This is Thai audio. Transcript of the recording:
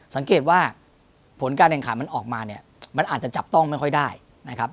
สังเกตว่าผลการแข่งขันมันออกมาเนี่ยมันอาจจะจับต้องไม่ค่อยได้นะครับ